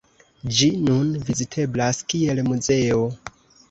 Ĝi nun viziteblas kiel muzeo.